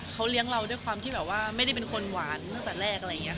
เขาเรียกเราด้วยความที่เราไม่ได้เป็นคนหวานแรก